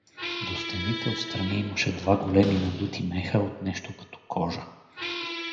До стените отстрани имаше два големи надути меха от нещо като кожа.